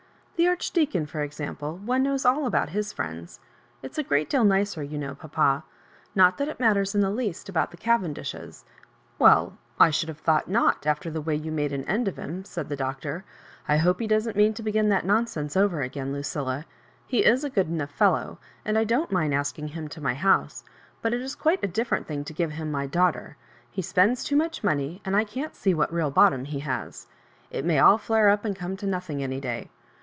*' The Archdeacon, for exam pie, one knows aU about his friends. It's a great deal nicer, you know, papa. Not that it matters in the least about the Cavendishes "" Well, I should have thought not, after the way you made an end of him," said the Doctor. 1 hope he doesn't mean to begin that nonsense over again, Lucilla. He is a good fellow enough, and I don't mind asking him to my house, but it is quite a different thing to give him my daugh ter. He spends too much money, and I can't see what real bottom he haa It may all fiare up and come to nothing any day.